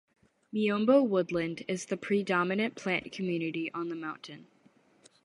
Miombo woodland is the predominant plant community on the mountain.